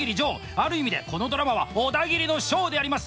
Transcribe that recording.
ある意味でこのドラマはオダギリのショーであります。